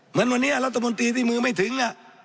เหมือนวันนี้รัฐมนตรีที่มือไม่ถึง